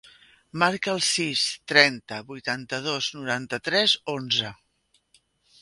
Marca el sis, trenta, vuitanta-dos, noranta-tres, onze.